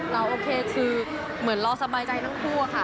โอเคคือเหมือนเราสบายใจทั้งคู่ค่ะ